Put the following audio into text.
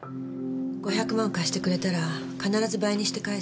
５００万貸してくれたら必ず倍にして返すって。